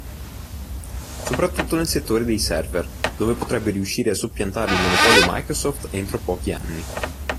Soprattutto nel settore dei server, dove potrebbe riuscire a soppiantare il monopolio Microsoft entro pochi anni.